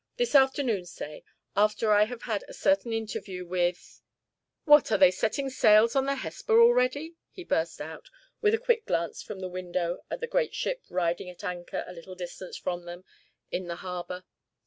This afternoon, say, after I have had a certain interview with What, are they setting sails on the Hesper already?" he burst out, with a quick glance from the window at the great ship riding at anchor a little distance from them in the harbour.